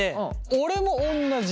俺もおんなじ。